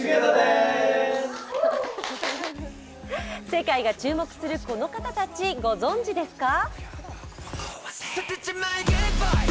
世界が注目するこの方たち、ご存じですか？